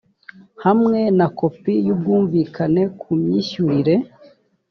hamwe na kopi y ubwumvikane ku myishyurire